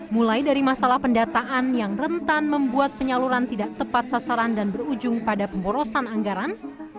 mulai dari masalah pendataan yang rentan membuat penyaluran tidak tepat sasaran dan berujung pada pemborosan anggaran